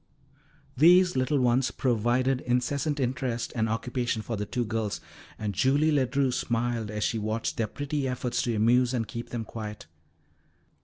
These little ones provided incessant interest and occupation for the two girls, and Julie Ledru smiled as she watched their pretty efforts to amuse and keep them quiet.